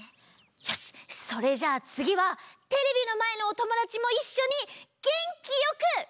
よしそれじゃあつぎはテレビのまえのおともだちもいっしょにげんきよく「スタート！」っていってね！